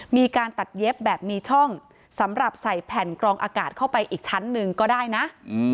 มีการตัดเย็บแบบมีช่องสำหรับใส่แผ่นกรองอากาศเข้าไปอีกชั้นหนึ่งก็ได้นะ